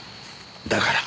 だから。